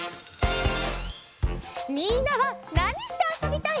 みんなはなにしてあそびたい？